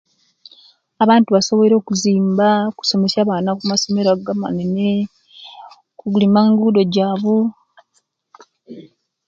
Abantu basobwoire okuzimba, okusomesa abaana kumasomero ago amanene, okulima engudo jabu